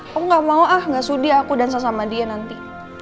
aku gak mau ah gak sudi aku dan sesama dia nanti